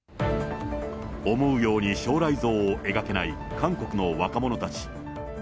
思うように将来像を描けない韓国の若者たち。